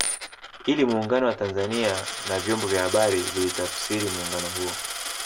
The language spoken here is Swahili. Ili Muungano wa Tanzania na vyombo vya habari vilitafsiri muungano huo